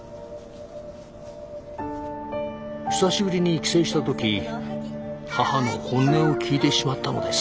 久しぶりに帰省した時母の本音を聞いてしまったのです。